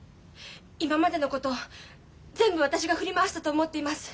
今までのこと全部私が振り回したと思っています。